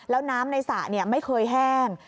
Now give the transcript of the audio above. แล้วน้ำในสระไม่เคยแห้ง